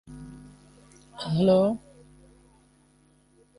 তিনি একটি মুকুট পরিধান করেন এবং তাঁর মাথা একটি টালি দ্বারা আচ্ছাদিত।